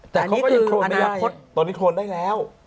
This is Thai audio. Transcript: ตอนนี้โคนนิ่งได้แล้ว